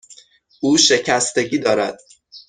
او شکستگی دارد.